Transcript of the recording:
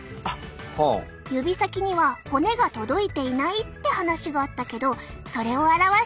指先には骨が届いていないって話があったけどそれを表しているよ。